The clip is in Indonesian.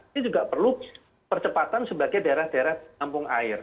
ini juga perlu percepatan sebagai daerah daerah kampung air